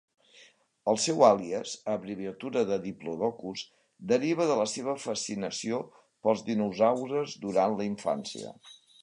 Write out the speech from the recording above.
El seu àlies, abreviatura de "Diplodocus", deriva de la seva fascinació pels dinosaures durant la infància.